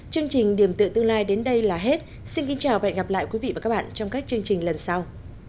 chương trình điểm tựa tương lai đến đây là hết xin kính chào và hẹn gặp lại quý vị và các bạn trong các chương trình lần sau